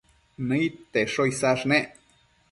Nëid tesho isash nec